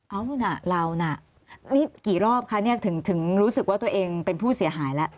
เอานู่นน่ะเราน่ะนี่กี่รอบคะเนี่ยถึงรู้สึกว่าตัวเองเป็นผู้เสียหายแล้ว